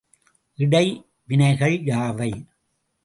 இடை வினைகள் யாவை?